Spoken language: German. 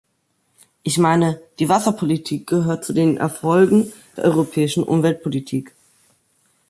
Ich meine, die Wasserpolitik gehört zu den Erfolgen der europäischen Umweltpolitik.